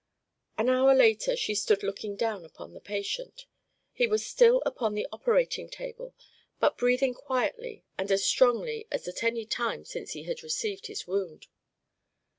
An hour later she stood looking down upon the patient. He was still upon the operating table but breathing quietly and as strongly as at any time since he had received his wound.